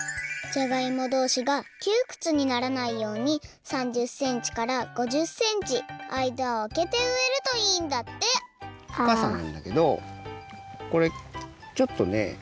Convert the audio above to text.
じゃがいもどうしがきゅうくつにならないように３０センチから５０センチ間をあけてうえるといいんだってふかさなんだけどこれちょっとね。